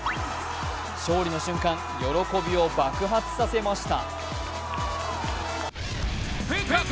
勝利の瞬間、喜びを爆発させました